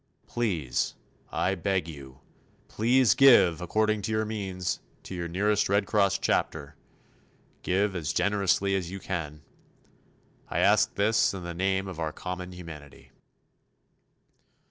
Please I beg you please give according to your means to your nearest Red Cross chapter, give as generously as you can. I ask this in the name of our common humanity.